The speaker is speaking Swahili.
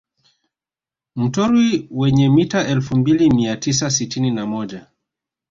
Mtorwi wenye mita elfu mbili mia tisa sitini na moja